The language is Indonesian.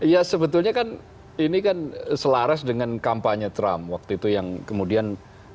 ya sebetulnya kan ini kan selaras dengan kampanye trump waktu itu yang kemudian